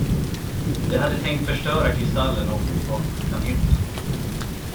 De hade tänkt förstöra kristallen och åka tillbaka till planeten.